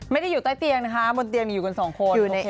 อยู่ใต้เตียงนะคะบนเตียงอยู่กันสองคน